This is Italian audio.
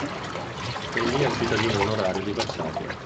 Egli è un cittadino onorario di Varsavia.